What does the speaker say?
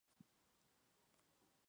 La Villette